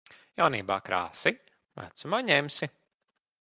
Jaunībā krāsi, vecumā ņemsi.